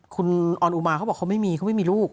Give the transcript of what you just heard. คุณออนอุมาเขาบอกเขาไม่มีเขาไม่มีลูก